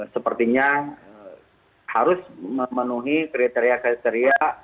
sepertinya harus memenuhi kriteria kriteria